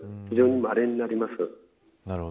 非常に、まれになります。